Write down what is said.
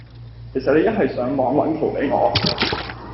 其實你一係上網搵圖比我